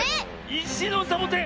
いしのサボテン！